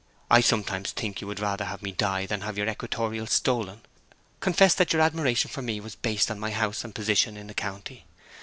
I sometimes think you would rather have me die than have your equatorial stolen. Confess that your admiration for me was based on my house and position in the county!